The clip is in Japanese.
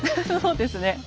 そうですね。